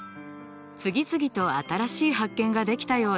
次々と新しい発見ができたようです。